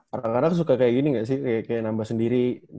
anak anak suka kayak gini gak sih kayak nambah sendiri